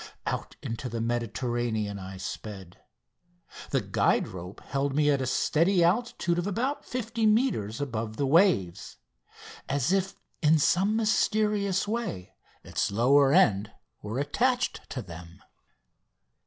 Out into the open Mediterranean I sped. The guide rope held me at a steady altitude of about 50 metres above the waves, as if in some mysterious way its lower end were attached to them.